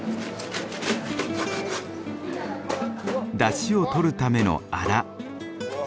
だしを取るためのアラ。